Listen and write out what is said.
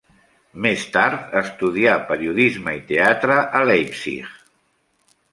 Més tard estudià periodisme i teatre a Leipzig.